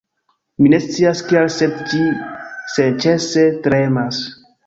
Mi ne scias kial sed ĝi senĉese tremas